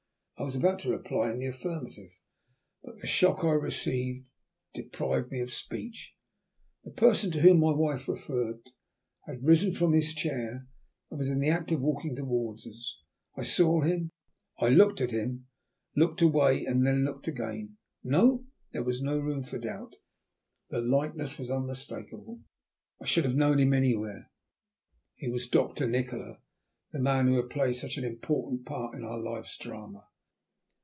I was about to reply in the affirmative, but the shock I received deprived me of speech. The person to whom my wife referred had risen from his chair, and was in the act of walking towards us. I looked at him, looked away, and then looked again. No! there was no room for doubt; the likeness was unmistakable. I should have known him anywhere. He was Doctor Nikola; the man who had played such an important part in our life's drama.